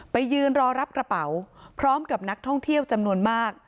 ไปยืนรอรับกระเป๋าพร้อมกับนักท่องเที่ยวจำนวนมาก